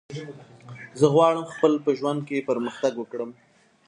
زه غواړم خپل په ژوند کی پرمختګ وکړم